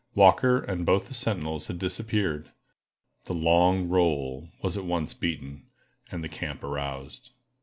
Walker and both the sentinels had disappeared. The "long roll" was at once beaten, and the camp aroused.